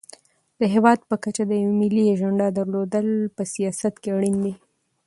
د هېواد په کچه د یوې ملي اجنډا درلودل په سیاست کې اړین دي.